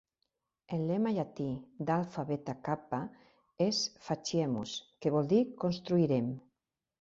El lema llatí d'Alpha Beta Kappa és "Faciemus," que vol dir "Construirem.